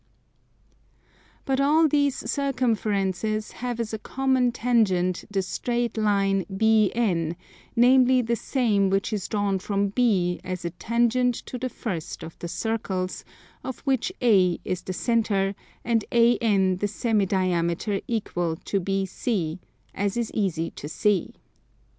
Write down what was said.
But all these circumferences have as a common tangent the straight line BN, namely the same which is drawn from B as a tangent to the first of the circles, of which A is the centre, and AN the semi diameter equal to BC, as is easy to see.